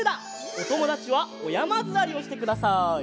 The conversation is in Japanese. おともだちはおやまずわりをしてください。